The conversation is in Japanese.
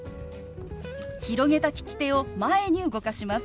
広げた利き手を前に動かします。